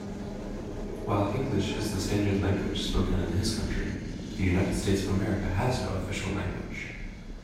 While English is the standard language spoken in his country, the United States of America has no official language.